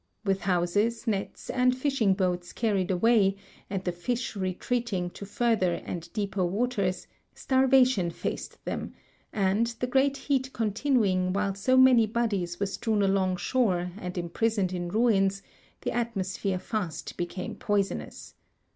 With houses, nets, and fishing boats carried away and the fish retreating to further and deeper waters, starvation faced them, and, the great heat continuing while so many bodies were strewn along shore and imprisoned in ruins, the atmosphere fast became poisonous.